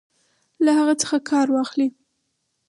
له هغه څخه کار واخلي.